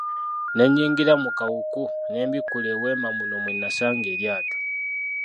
Ne nnyingira mu kawuku ne mbikkula eweema muno mwe nasanga eryato.